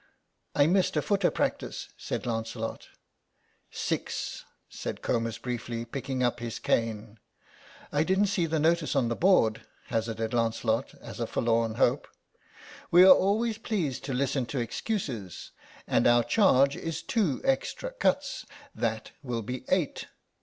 "I missed a footer practice," said Lancelot "Six," said Comus briefly, picking up his cane. "I didn't see the notice on the board," hazarded Lancelot as a forlorn hope. "We are always pleased to listen to excuses, and our charge is two extra cuts. That will be eight.